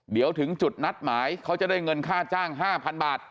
เดี๋ยวถึงจุดนัดหมายเขาจะได้เงินค่าจ้าง๕๐๐๐บาท